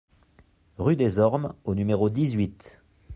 Rue des Ormes au numéro dix-huit